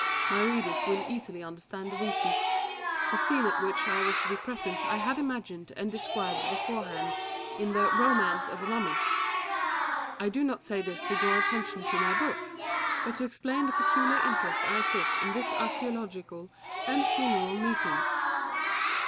My readers will easily understand the reason: the scene at which I was to be present I had imagined and described beforehand in the "Romance of a Mummy." I do not say this to draw attention to my book, but to explain the peculiar interest I took in this archæological and funereal meeting.